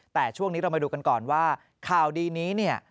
แต่ช่วงนี้เรามาดูกันก่อนว่าข่าวดีนี้เนี่ย